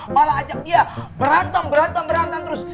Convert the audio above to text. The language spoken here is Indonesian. malah ajak dia berantem berantem terus